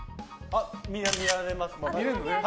見れます。